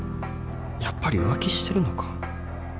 やっぱり浮気してるのか？